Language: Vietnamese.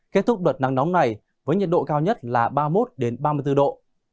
kết thúc đợt nắng nóng này với nhiệt độ cao nhất là ba mươi một ba mươi bốn độ